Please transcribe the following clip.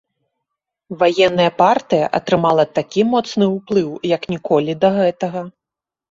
Ваенная партыя атрымала такі моцны ўплыў, як ніколі да гэтага.